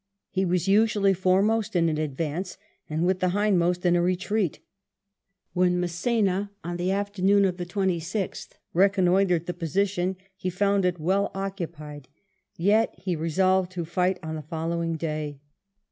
He was usually foremost in an advance, and with the hindmost in a retreat. When Mass^na on the afternoon of the 26th reconnoitred the position, he found it well occupied, yet he resolved to fight on the following day.